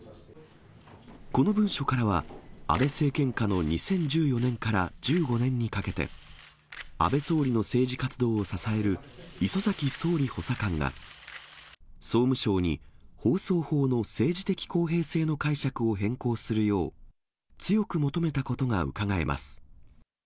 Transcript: この文書からは、安倍政権下の２０１４年から１５年にかけて、安倍総理の政治活動を支える礒崎総理補佐官が、総務省に放送法の政治的公平性の解釈を変更するよう、強く求めたことがうかがえます。